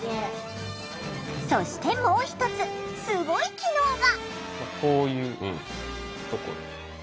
そしてもう一つスゴい機能が！